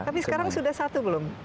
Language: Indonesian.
tapi sekarang sudah satu belum